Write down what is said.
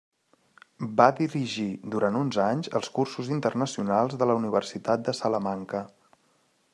Va dirigir durant uns anys els cursos internacionals de la Universitat de Salamanca.